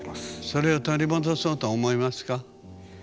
それを取り戻そうと思いますか？